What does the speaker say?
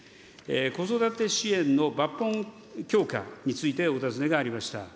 子育て支援の抜本強化についてお尋ねがありました。